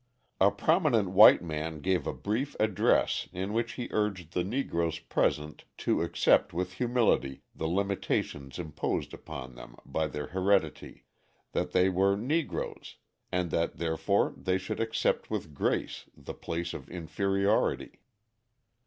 A prominent white man gave a brief address in which he urged the Negroes present to accept with humility the limitations imposed upon them by their heredity, that they were Negroes and that therefore they should accept with grace the place of inferiority.